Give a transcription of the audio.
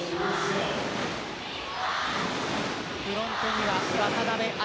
フロントには渡邊彩。